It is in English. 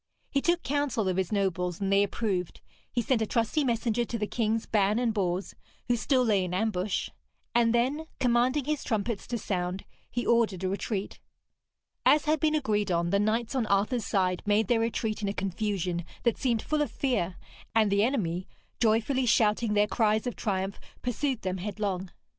He took counsel of his nobles, and they approved; he sent a trusty messenger to the Kings Ban and Bors, who still lay in ambush; and then, commanding his trumpets to sound, he ordered a retreat. As had been agreed on, the knights on Arthur's side made their retreat in a confusion that seemed full of fear; and the enemy, joyfully shouting their cries of triumph, pursued them headlong.